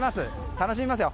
楽しみますよ。